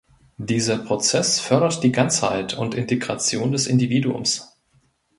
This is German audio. Dieser Prozess fördert die Ganzheit und Integration des Individuums.